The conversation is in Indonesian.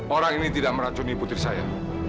orang ini tidak meracuni putri saya